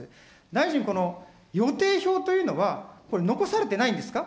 大臣、この予定表というのは、これ、残されてないんですか。